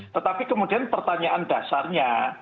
tetapi kemudian pertanyaan dasarnya